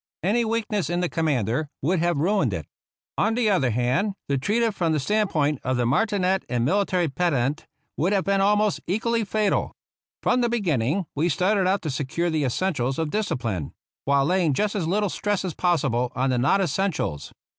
Any weakness in the commander would have ruined it. On the other hand, to treat it from the stand point of the marti net and military pedant would have been almost equally fatal. From the beginning we started out to secure the essentials of discipline, while laying just as little stress as possible on the non essentials.